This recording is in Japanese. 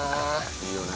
いいよね。